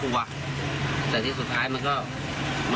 แล้วเราได้เอาก๋วยเตี๋ยวถวายพระหรือยังคะ